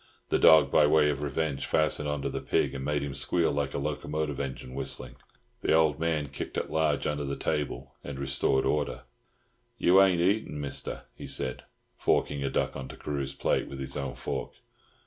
The dog, by way of revenge, fastened on to the pig, and made him squeal like a locomotive engine whistling. The old man kicked at large under the table, and restored order. "You ain't eatin', Mister," he said, forking a duck on to Carew's plate with his own fork.